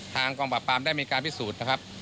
ทางกองปราบได้มีการพิสูจน์นะครับ